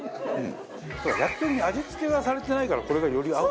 焼き鳥に味付けがされてないからこれがより合う。